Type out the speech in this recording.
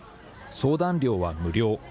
相談料は無料。